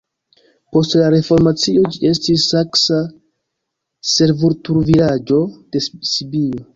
Post la reformacio ĝi estis saksa servutulvilaĝo de Sibio.